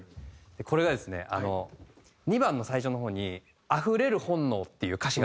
これがですね２番の最初の方に「溢れる本能」っていう歌詞があるんですよ。